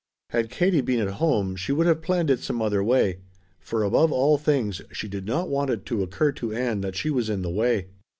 Had Katie been at home she would have planned it some other way, for above all things she did not want it to occur to Ann that she was in the way.